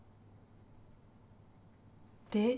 で？